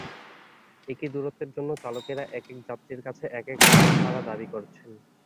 একই দূরত্বের জন্য চালকেরা একেক যাত্রীর কাছ থেকে একেক ভাড়া দাবি করছেন।